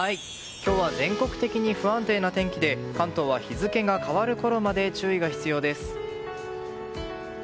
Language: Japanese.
今日は全国的に不安定な天気で関東は日付が変わるころまで注意が必要です。